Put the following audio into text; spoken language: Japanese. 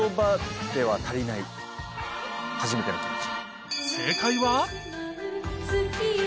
「初めての気持ち」。